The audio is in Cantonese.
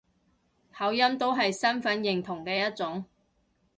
口音都係身份認同嘅一種